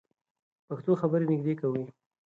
پښتو خبرې نږدې کوي.